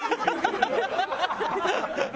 ハハハハ！